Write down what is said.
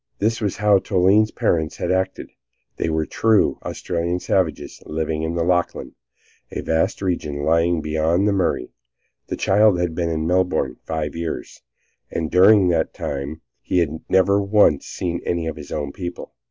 This was how Toline's parents had acted. They were true Australian savages living in the Lachlan, a vast region lying beyond the Murray. The child had been in Melbourne five years, and during that time had never once seen any of his own people.